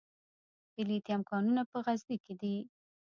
د لیتیم کانونه په غزني کې دي